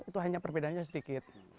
itu hanya perbedaannya sedikit